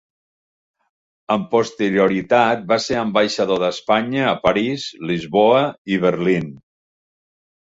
Amb posterioritat va ser ambaixador d'Espanya a París, Lisboa i Berlín.